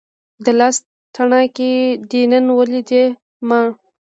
د لاس تڼاکې دې نن ولیدې ما